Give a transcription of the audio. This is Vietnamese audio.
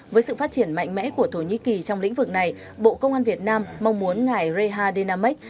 với sự phát triển mạnh mẽ của thổ nhĩ kỳ trong lĩnh vực này bộ công an việt nam mong muốn ngài reha dynamics